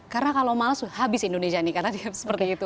karena kalau malas habis indonesia nih karena dia seperti itu